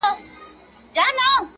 زه سینې د حیوانانو څیرومه!!